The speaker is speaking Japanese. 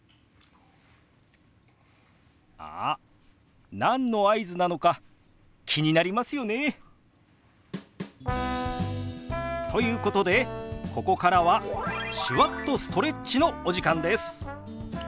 あっ何の合図なのか気になりますよね？ということでここからは手話っとストレッチのお時間です。